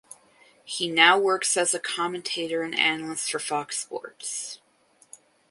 He now works as a commentator and analyst for Fox Sports.